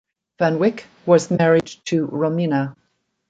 Van Wyk was married to Romina.